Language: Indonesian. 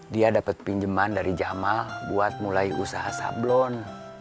dia dapet pinjeman dari jamal buat mulai usaha sablon